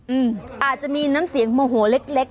อืมอาจจะมีน้ำเสียงโมโหเล็ก